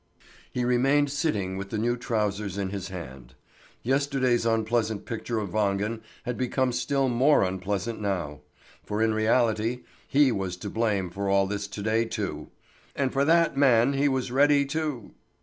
He remained sitting with the new trousers in his hand. Yesterday's unpleasant picture of Wangen had become still more unpleasant now, for in reality he was to blame for all this to day too. And for that man he was ready to